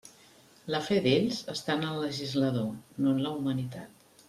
La fe d'ells està en el legislador, no en la humanitat.